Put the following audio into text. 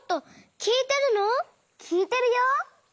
きいてるよ。